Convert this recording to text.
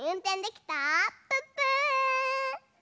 プップー！